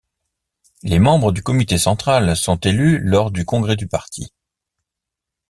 Les membres du Comité Central sont élus lors du congrès du parti.